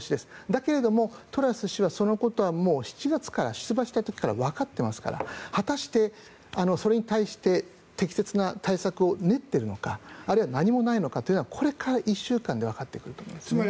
だけれども、トラス氏はそのことは７月から、出馬した時からわかっていますから果たして、それに対して適切な対策を練っているのかあるいは何もないのかというのはこれから１週間でわかってくると思いますね。